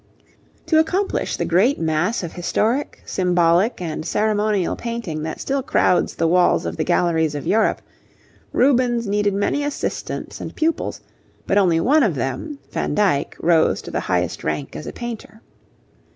To accomplish the great mass of historic, symbolic, and ceremonial painting that still crowds the walls of the galleries of Europe, Rubens needed many assistants and pupils, but only one of them, Van Dyck, rose to the highest rank as a painter.